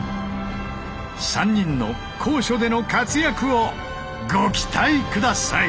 ３人の高所での活躍をご期待下さい！